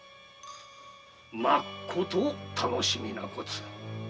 まっこと楽しみなこつ。